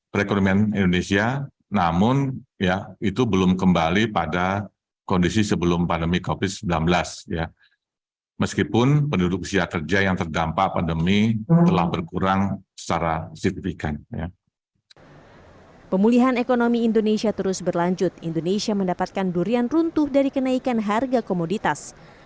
pemulihan ekonomi indonesia terus berlanjut indonesia mendapatkan durian runtuh dari kenaikan harga komoditas